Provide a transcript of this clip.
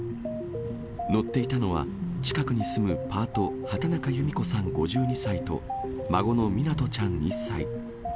乗っていたのは、近くに住むパート、畑中由美子さん５２歳と、孫の湊ちゃん１歳。